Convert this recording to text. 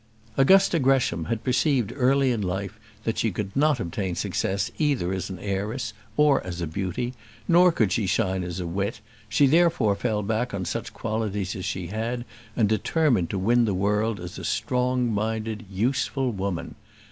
Augusta Gresham had perceived early in life that she could not obtain success either as an heiress, or as a beauty, nor could she shine as a wit; she therefore fell back on such qualities as she had, and determined to win the world as a strong minded, useful woman.